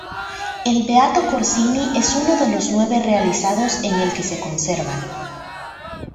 El beato Corsini es uno de los nueve realizados en el que se conservan.